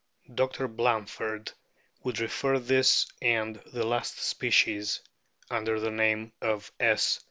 Dr. Blanford would refer this and the last species (under the name of S.